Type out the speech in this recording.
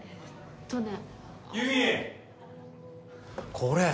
これ！